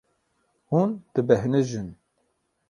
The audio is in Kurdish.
Hûn dibêhnijin.